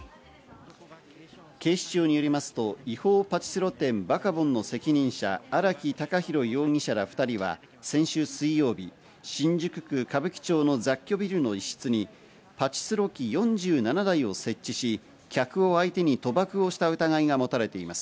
警視庁によりますと、違法パチスロ店バカボンの責任者、荒木孝弘容疑者ら２人は先週水曜日、新宿区歌舞伎町の雑居ビルの一室にパチスロ機４７台を設置し、客を相手に賭博をした疑いがもたれています。